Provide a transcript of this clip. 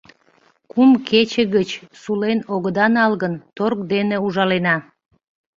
Кум кече гыч сулен огыда нал гын, торг дене ужалена...»